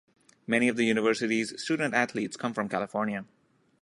Many of the university's student-athletes come from California.